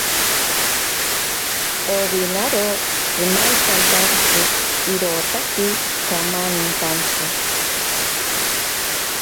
Owinaro tsimainkatantsi irotaki kamanintantsi.